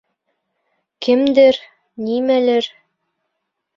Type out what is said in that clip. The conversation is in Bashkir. Кемдер, нимәлер